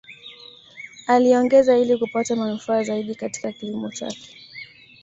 Aliongeza ili kupata manufaa zaidi Katika kilimo chake